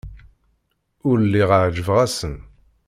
Ur lliɣ ɛejbeɣ-asen.